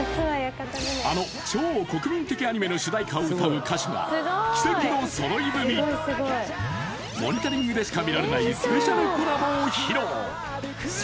あの超国民的アニメの主題歌を歌う歌手が奇跡の揃い踏み「モニタリング」でしか見られないスペシャルコラボを披露